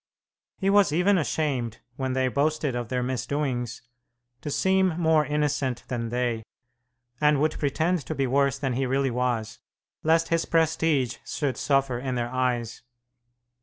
He was even ashamed, when they boasted of their misdoings, to seem more innocent than they, and would pretend to be worse than he really was, lest his prestige should suffer in their eyes.